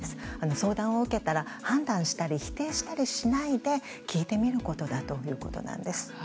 相談を受けたら判断したり否定したりしないで聞いてみることだということなんです。